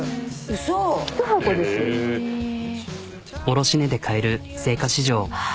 卸値で買える青果市場。